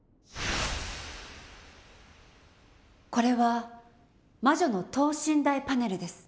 これは魔女の等身大パネルです。